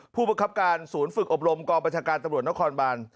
ผู้บังคับการศูนย์ฝึกอบรมกองประชาการตำรวจนครบาน